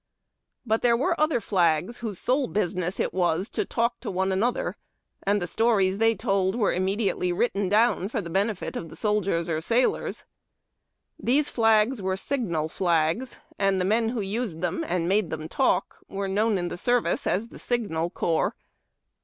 But there were other flags, whose sole business it was to talk to one another, and the stories they told were immediatelj'' written down for the benefit of the 394 TALKING FLAGS AND TORCHES. 395 soldiers or sailors. These flags were Signal flags, and the men who used them and made them talk were known in the service as the Signal Corps.